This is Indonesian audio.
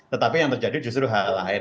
tetapi yang terjadi justru hal lain